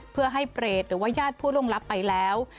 เพื่อให้เปรตหรือว่าญาติผู้ล่วงลับไปแล้ว